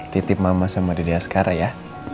titip mama sama dede askara ya